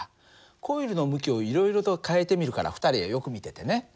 コイルの向きをいろいろと変えてみるから２人はよく見ててね。